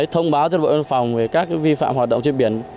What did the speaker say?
thông báo cho bộ đội biên phòng về các vi phạm hoạt động trên biển